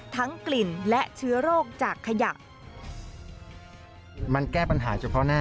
ทั้งกลิ่นและเชื้อโรคจากขยะ